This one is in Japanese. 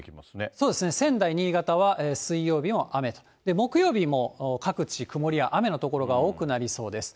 そうですね、仙台、新潟は、水曜日も雨と、木曜日も各地曇りや雨の所が多くなりそうです。